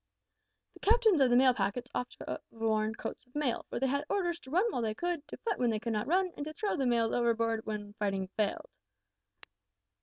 The captains of the mail packets ought to have worn coats of mail, for they had orders to run while they could, to fight when they could not run, and to throw the mails overboard when fighting failed!